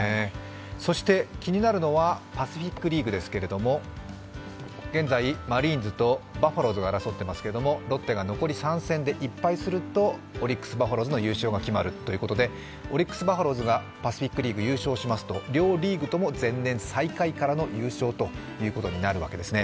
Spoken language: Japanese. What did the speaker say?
そして、気になるのはパシフィック・リーグですけども現在、マリーンズとバファローズが争っていますがロッテが残り３戦で１敗すると、オリックス・バファローズの優勝が決まるということでオリックス・バファローズがパシフィック・リーグを優勝しますと、両リーグともに優勝ということになるわけですね。